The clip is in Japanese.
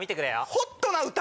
ホットな歌？